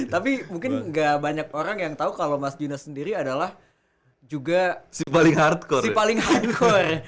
tapi mungkin gak banyak orang yang tahu kalau mas juna sendiri adalah juga si paling hore